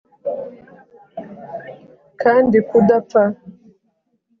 kandi kudapfa